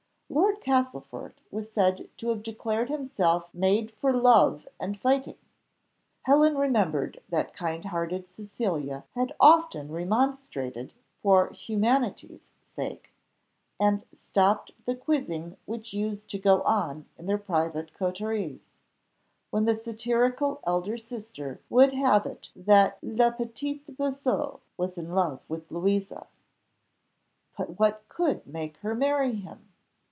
Lord Castlefort was said to have declared himself made for love and fighting! Helen remembered that kind hearted Cecilia had often remonstrated for humanity's sake, and stopped the quizzing which used to go on in their private coteries, when the satirical elder sister would have it that le petit bossu was in love with Louisa. But what could make her marry him?